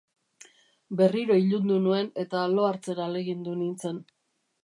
Berriro ilundu nuen, eta lo hartzen ahalegindu nintzen.